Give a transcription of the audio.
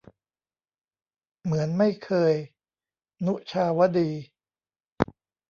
เหมือนไม่เคย - นุชาวดี